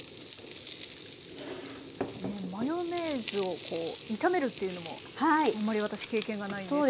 マヨネーズを炒めるっていうのもあんまり私経験がないんですけど。